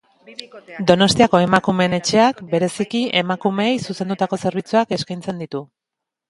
Donostiako Emakumeen Etxeak bereiziki emakumeei zuzendutako zerbitzuak eskaintzen ditu.